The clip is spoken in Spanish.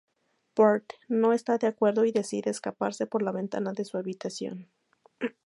Bart no está de acuerdo y decide escaparse por la ventana de su habitación.